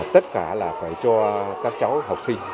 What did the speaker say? tất cả là phải cho các cháu học sinh